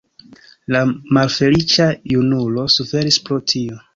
La malfeliĉa junulo suferis pro tio.